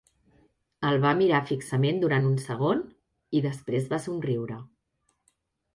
El va mirar fixament durant un segon i després va somriure.